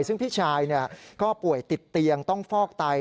ซึ่งพี่ชายก็ป่วยติดเตียงต้องฟอกไต